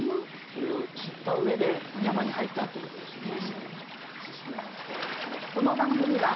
それを知った上で山に入ったっていう事ですよね。